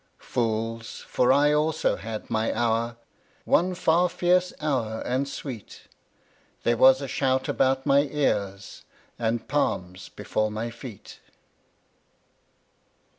Fools! For I also had my hour; One far fierce hour and sweet: There was a shout about my ears, And palms before my feet.